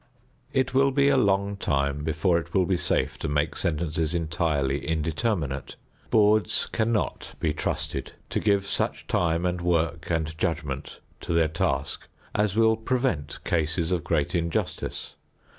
It will be a long time before it will be safe to make sentences entirely indeterminate. Boards cannot be trusted to give such time and work and judgment to their task as will prevent cases of great injustice.